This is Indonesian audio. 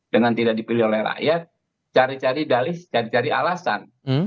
dengan tidak dipilih oleh rakyat cari cari dalih cari alasan